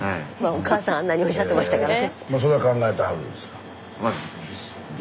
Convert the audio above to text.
おかあさんあんなにおっしゃってましたからね。